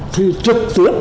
thì trực tiếp